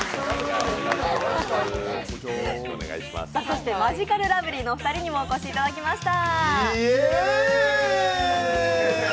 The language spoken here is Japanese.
そしてマヂカルラブリーのお二人にもお越しいただきました。